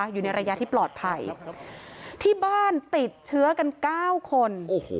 อยู่ในระยะที่ปลอดภัยที่บ้านติดเชื้อกัน๙คน